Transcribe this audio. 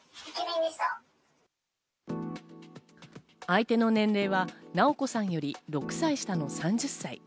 相手の年齢はなおこさんより６歳下の３０歳。